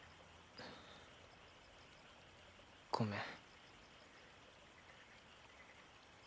ごめん。